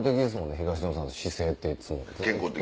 東野さんの姿勢っていっつも。